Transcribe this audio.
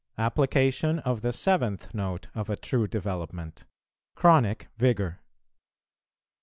APPLICATION OF THE SEVENTH NOTE OF A TRUE DEVELOPMENT. CHRONIC VIGOUR.